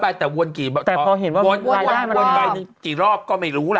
ไปแต่วนกี่ใบแต่พอเห็นว่าวนใบหนึ่งกี่รอบก็ไม่รู้ล่ะ